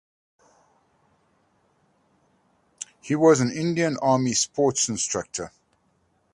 He was an Indian Army sports instructor.